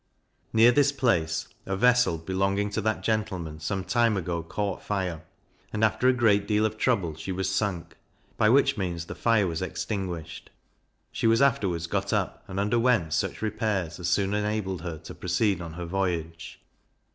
Near this place a vessel belonging to that gentleman some time ago caught fire, and after a great deal of trouble she was sunk, by which means the fire was extinguished; she was afterwards got up, and underwent such repairs as soon enabled her to proceed on her voyage.